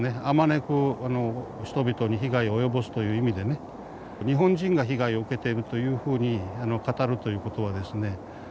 あまねく人々に被害を及ぼすという意味でね日本人が被害を受けているというふうに語るということはですね